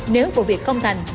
nếu vụ việc không thành